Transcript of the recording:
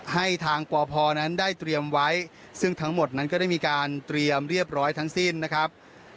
ให้ทางปพนั้นได้เตรียมไว้ซึ่งทั้งหมดนั้นก็ได้มีการเตรียมเรียบร้อยทั้งสิ้นนะครับ